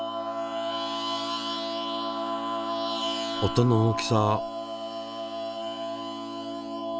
音の大きさ。